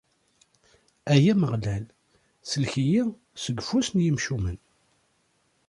Ay Ameɣlal, sellek-iyi seg ufus n yimcumen.